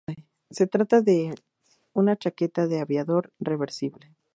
Se trata de una chaqueta de aviador reversible.